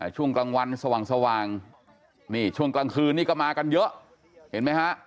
ช่วงกลางวันสว่างนี่ช่วงกลางคืนนี่ก็มากันเยอะเห็นไหมฮะ